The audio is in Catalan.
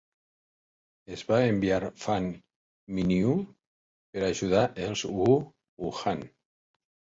Es va enviar Fan Minyu per ajudar els wu-huan.